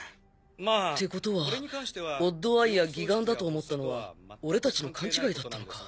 ってことはオッドアイや義眼だと思ったのは俺たちの勘違いだったのか